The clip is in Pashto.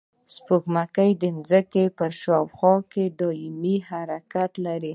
سپوږمۍ د ځمکې پر شاوخوا دایمي حرکت لري